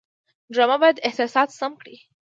ډرامه باید احساسات سم کړي